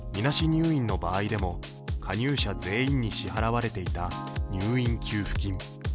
入院の場合でも加入者全員に支払われていた入院給付金。